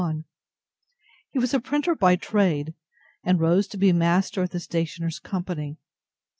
He was a printer by trade, and rose to be master of the Stationers' Company.